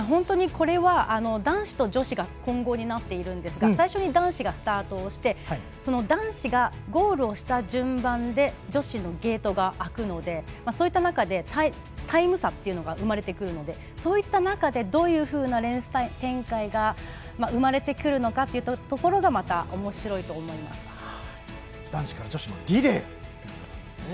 これは男子と女子が混合になっているんですが最初に男子がスタートをして男子がゴールした順番で女子のゲートが開くのでそういった中でタイム差が生まれてくるのでそういった中でどういうレース展開が生まれてくるのかというところが男子から女子のリレーと。